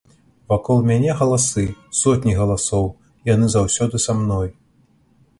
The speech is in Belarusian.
Вакол мяне галасы, сотні галасоў, яны заўсёды са мной.